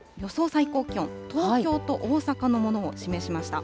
最高気温、東京と大阪のものを示しました。